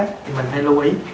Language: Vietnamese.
thì mình phải lưu ý